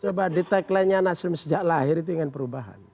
coba di tagline nya nasdem sejak lahir itu ingin perubahan